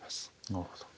なるほど。